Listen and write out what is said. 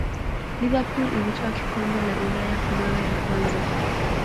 liverpool ilitwaa kombe la ulaya kwa mara ya kwanza